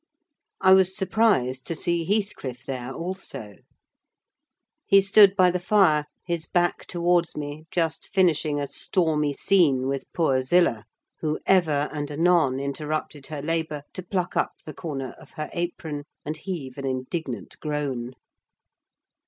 I was surprised to see Heathcliff there also. He stood by the fire, his back towards me, just finishing a stormy scene with poor Zillah; who ever and anon interrupted her labour to pluck up the corner of her apron, and heave an indignant groan.